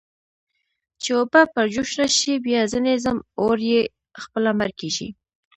چې اوبه پر جوش راشي، بیا ځنې ځم، اور یې خپله مړ کېږي.